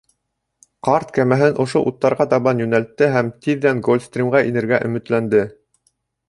Ҡарт кәмәһен ошо уттарға табан йүнәлтте һәм тиҙҙән Гольфстримға инергә өмөтләнде.